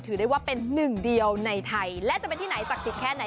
ถือได้ว่าเป็นหนึ่งเดียวในไทยและจะเป็นที่ไหนศักดิ์สิทธิ์แค่ไหน